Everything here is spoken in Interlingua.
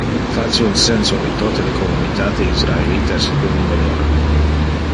Face un censo de tote le communitate israelita secundo lor